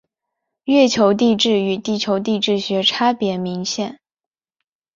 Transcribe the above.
月球地质与地球地质学差别明显。